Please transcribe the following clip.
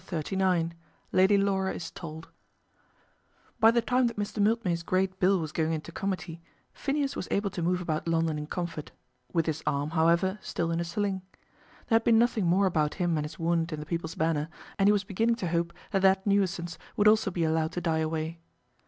CHAPTER XXXIX Lady Laura Is Told By the time that Mr. Mildmay's great bill was going into committee Phineas was able to move about London in comfort, with his arm, however, still in a sling. There had been nothing more about him and his wound in the People's Banner, and he was beginning to hope that that nuisance would also be allowed to die away.